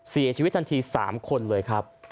เสียชีวิตทันที๓คนเลยครับ